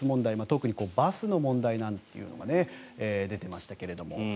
特にバスの問題なんていうのも出てましたが。